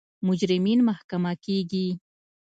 مجرمین محاکمه کیږي.